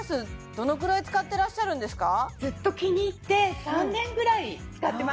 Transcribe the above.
どのぐらい使ってらっしゃるんですか？